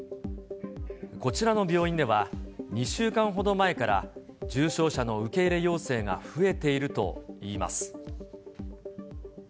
こちらの病院では、２週間ほど前から、重症者の受け入れ要請が増えているといいます。